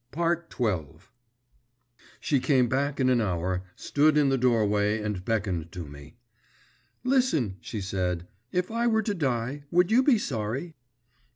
XII She came back in an hour, stood in the doorway and beckoned to me. 'Listen,' she said; 'if I were to die, would you be sorry?